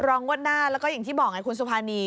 งวดหน้าแล้วก็อย่างที่บอกไงคุณสุภานี